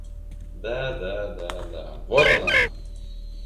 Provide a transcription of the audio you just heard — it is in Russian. Да-да-да-да... Вот оно!